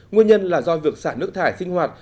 nguyên nhân là do việc xả nước thải sinh hoạt